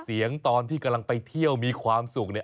ตอนที่กำลังไปเที่ยวมีความสุขเนี่ย